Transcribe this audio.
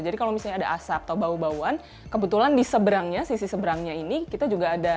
jadi kalau misalnya ada asap atau bau bauan kebetulan di seberangnya sisi seberangnya ini kita juga bisa menghubungkan